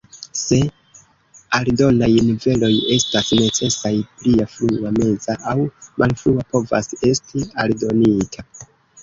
Se aldonaj niveloj estas necesaj, plia "Frua", "Meza" aŭ "Malfrua" povas esti aldonita.